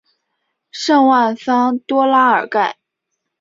圣万桑多拉尔盖。